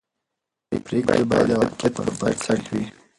پرېکړې باید د واقعیت پر بنسټ وي